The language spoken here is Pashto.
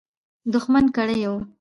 دښمن کړي یو.